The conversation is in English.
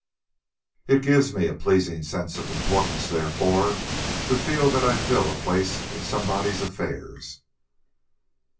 It gives me a pleasing sense of importance, therefore, to feel that I fill a place in somebody's affairs."